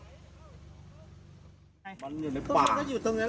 หูปินอยู่ในปลา